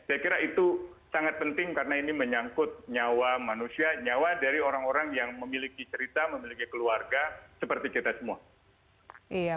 saya kira itu sangat penting karena ini menyangkut nyawa manusia nyawa dari orang orang yang memiliki cerita memiliki keluarga seperti kita semua